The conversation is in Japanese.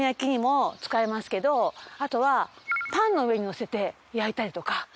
あとはパンの上にのせて焼いたりとか。